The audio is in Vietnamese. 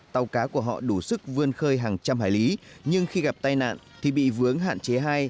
tàu cá của họ đủ sức vươn khơi hàng trăm hải lý nhưng khi gặp tai nạn thì bị vướng hạn chế hai